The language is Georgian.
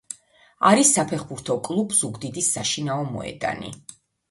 არის საფეხბურთო კლუბ „ზუგდიდის“ საშინაო მოედანი.